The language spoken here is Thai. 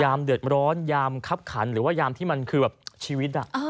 เดือดร้อนยามคับขันหรือว่ายามที่มันคือแบบชีวิต